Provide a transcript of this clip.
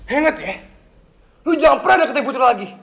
ingat ya lu jangan pernah deketin putri lagi